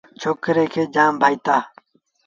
ڇوڪريٚ کي جآم ڀآئيٚتآ۔